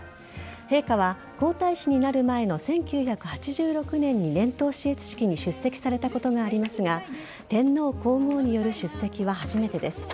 陛下は皇太子になる前の１９８６年に年頭視閲式に出席されたことがありますが天皇皇后による出席は初めてです。